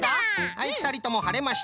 はいふたりともはれました。